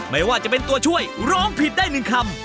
ไม่ว่าจะเป็นตัวช่วยร้องผิดได้๑คำ